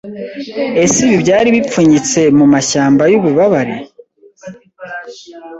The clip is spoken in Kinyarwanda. Ese ibi byari bipfunyitse mumashyamba yububabare